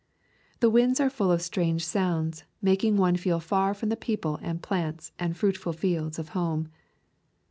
The winds are full of strange sounds, making one feel far from the people and plants and fruit ful fields of home.